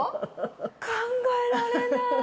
考えられない！